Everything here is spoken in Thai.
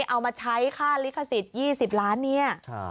เอามาใช้ค่าลิขสิทธิ์๒๐ล้านเนี่ย